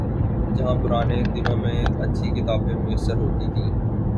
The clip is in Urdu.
جہاں پرانے دنوں میں اچھی کتابیں میسر ہوتی تھیں۔